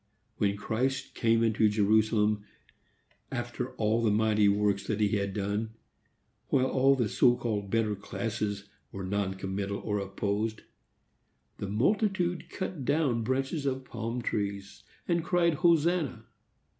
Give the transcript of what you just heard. When Christ came into Jerusalem, after all the mighty works that he had done, while all the so called better classes were non committal or opposed, the multitude cut down branches of palm trees and cried Hosanna!